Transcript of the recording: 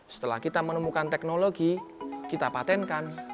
setelah kita menemukan teknologi kita patentkan